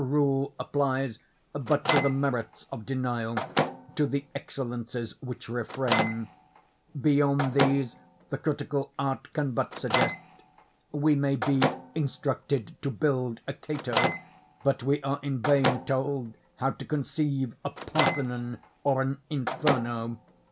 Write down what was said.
Rule applies but to the merits of denial—to the excellencies which refrain. Beyond these, the critical art can but suggest. We may be instructed to build a "Cato," but we are in vain told how to conceive a Parthenon or an "Inferno."